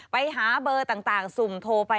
ไปหาเบอร์ต่างสุ่มโทรไป